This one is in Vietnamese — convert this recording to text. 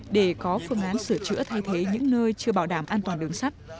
để có phương án sửa chữa thay thế những nơi chưa bảo đảm an toàn đường sắt